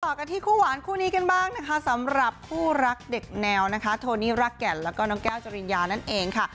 กันที่คู่หวานคู่นี้กันบ้างนะคะสำหรับคู่รักเด็กแนวนะคะโทนี่รักแก่นแล้วก็น้องแก้วจริญญานั่นเองค่ะ